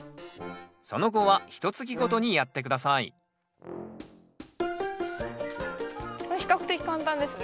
その後はひとつきごとにやって下さいこれ比較的簡単ですね。